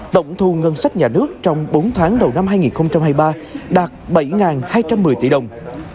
tổng thu ngân sách nhà nước trong bốn tháng đầu năm hai nghìn hai mươi ba đạt bảy hai trăm một mươi tỷ đồng